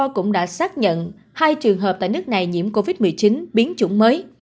cũng đã xác nhận hai trường hợp tại nước này nhiễm covid một mươi chín biến chủng mới